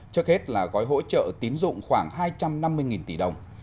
trước hết là gói hỗ trợ tín dụng khoảng hai trăm năm mươi tỷ đồng